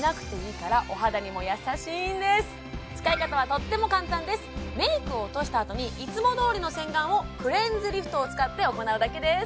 しかも使い方はとっても簡単ですメイクを落としたあとにいつもどおりの洗顔をクレンズリフトを使って行うだけです